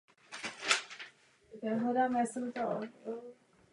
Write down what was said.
Ve filmu se prolínají dvě časové roviny vzdálené od sebe osmnáct let.